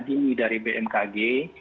dini dari bmkg